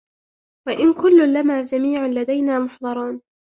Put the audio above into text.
وإن كل لما جميع لدينا محضرون